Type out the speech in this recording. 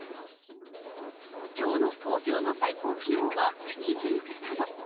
きょうの東京の最高気温は２７度。